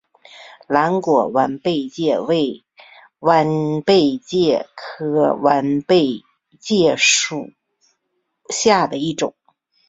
蓝果弯贝介为弯贝介科弯贝介属下的一个种。